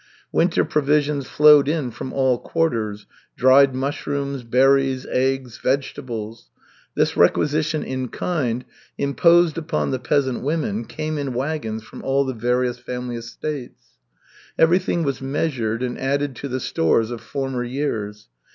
Winter provisions flowed in from all quarters, dried mushrooms, berries, eggs, vegetables. This requisition in kind imposed upon the peasant women came in wagons from all the various family estates. Everything was measured and added to the stores of former years.